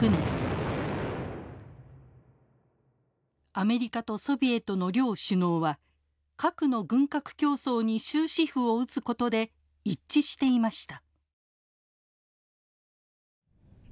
アメリカとソビエトの両首脳は核の軍拡競争に終止符を打つことで一致していました。